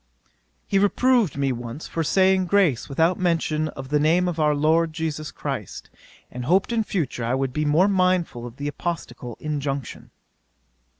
'He reproved me once for saying grace without mention of the name of our LORD JESUS CHRIST, and hoped in future I would be more mindful of the apostolical injunction.